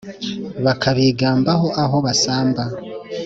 Bakabigambaho aho basamba